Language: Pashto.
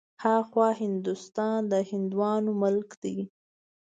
ها خوا هندوستان د هندوانو ملک دی.